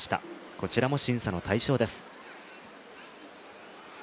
こちらも審査の対象です。